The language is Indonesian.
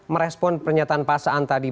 merespon pernyataan pak saan tadi